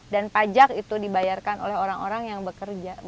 dan pajak itu dibayarkan oleh orang orang yang bekerja